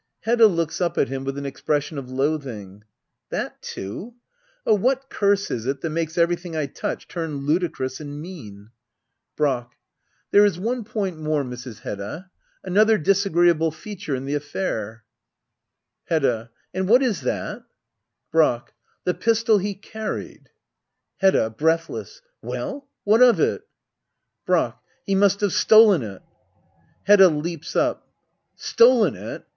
Hedda. [Looks up at him with an expression of loathing.'] That too I Oh, what curse is it that makes every thing I touch turn ludicrous and mean ? Digitized by Google act iv.] hedda oabler. 177 Brack. There is one point more, Mrs. Hedda — another disagreeable feature in the affair. Hedda. And what is that ? Brack. The pistol he carried Hedda. [Breathless.] Well? What of it? Brack. He must have stolen it. Hedda. i Leaps up,] Stolen it